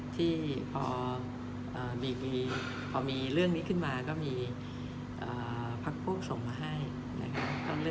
ที่พอมีเรื่องนี้ขึ้นมาก็มีพักพวกส่งมาให้นะครับ